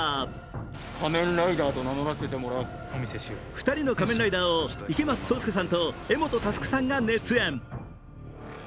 ２人の仮面ライダーを池松壮亮さんと柄本佑さんが熱演。